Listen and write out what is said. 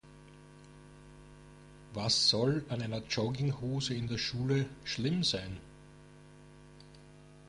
Was soll an einer Jogginghose in der Schule schlimm sein?